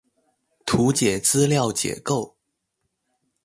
圖解資料結構